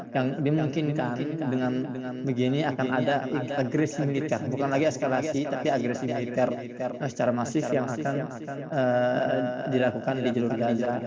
yang dimungkinkan dengan begini akan ada agresi militer bukan lagi eskalasi tapi agresi militer secara masif yang akan dilakukan di jalur gaza